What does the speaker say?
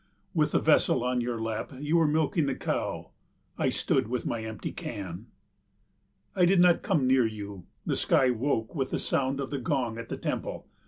With the vessel on your lap you were milking the cow. I stood with my empty can. I did not come near you. The sky woke with the sound of the gong at the temple.